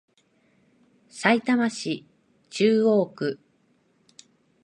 さいたま市中央区